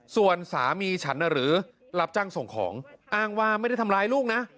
ส่วนสามีฉันหรือรับจ้างส่งของอ้างว่าไม่ได้ทำร้ายลูกนะ